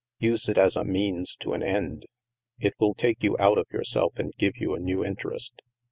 Use it as a means to an end. It will take you out of yourself and give you a new interest.